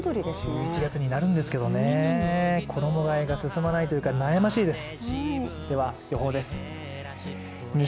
１１月になるんですけどね衣がえが進まないというか悩ましいです。